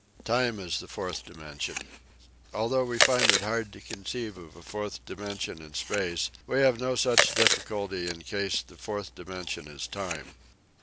TIME AS THE FOURTH DIMENSION Although we find it hard to conceive of a fourth dimension in space we have no such difficulty in case the fourth dimension is time.